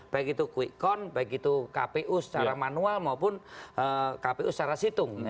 baik itu quick count baik itu kpu secara manual maupun kpu secara situng